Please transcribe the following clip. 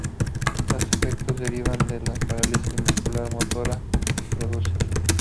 Los efectos derivan de la parálisis muscular motora que produce.